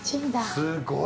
すごい。